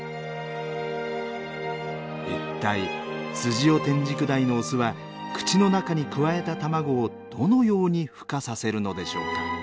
いったいスジオテンジクダイのオスは口の中にくわえた卵をどのようにふ化させるのでしょうか？